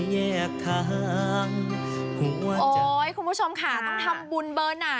โอ๊ยของทุกคุณผู้ชมค่ะต้องทำบุญเบอร์ไหน